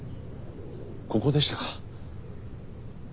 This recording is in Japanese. ここでしたか。